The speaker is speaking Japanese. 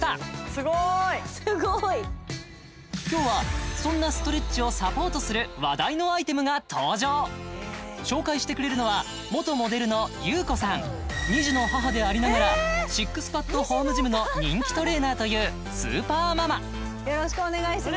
すごーいすごい今日はそんなストレッチをサポートする話題のアイテムが登場紹介してくれるのは元モデルのＹＵＫＯさん２児の母でありながらＳＩＸＰＡＤホームジムの人気トレーナーというスーパーママよろしくお願いします